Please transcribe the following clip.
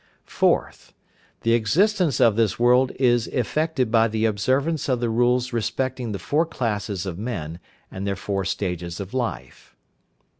4th. The existence of this world is effected by the observance of the rules respecting the four classes of men and their four stages of life.